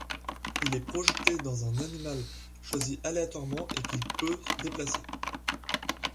Il est projeté dans un animal choisi aléatoirement et qu'il peut déplacer.